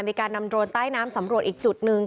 มีการนำโรนใต้น้ำสำรวจอีกจุดหนึ่ง